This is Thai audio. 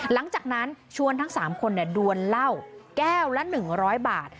หลังจากนั้นชวนทั้ง๓คนดวนเหล้าแก้วละ๑๐๐บาท